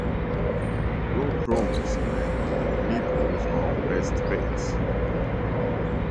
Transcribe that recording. Raw prawns and nippers are the best baits.